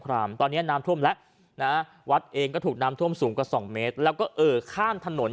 ก็ถูกนำท่วมสูงกว่าสองเมตรแล้วก็เอ่อข้ามถนน